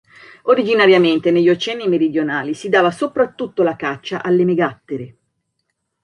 Originariamente negli oceani meridionali si dava soprattutto la caccia alle megattere.